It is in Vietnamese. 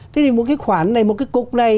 thế thì một cái khoản này một cái cục này